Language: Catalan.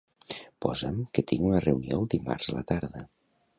Posa'm que tinc una reunió el dimarts a la tarda.